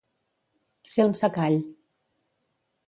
Ser un secall.